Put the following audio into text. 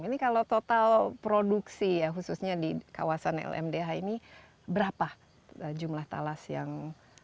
ini kalau total produksi ya khususnya di kawasan lmdh ini berapa jumlah talas yang